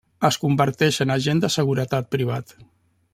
Es converteix en agent de seguretat privat.